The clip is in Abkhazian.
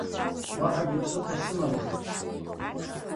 Уаҳагьы ԥсыхәа сымамызт!